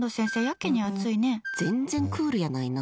全然クールやないな。